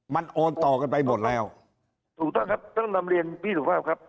มันโอนต่อกันไปหมดแล้วถูกต้องครับต้องนำเรียนพี่สุภาพครับ